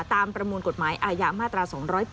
ประมวลกฎหมายอาญามาตรา๒๘